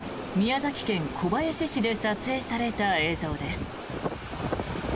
これは昨日午後１１時ごろ宮崎県小林市で撮影された映像です。